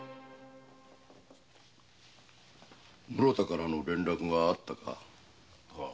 室田からの連絡があったか？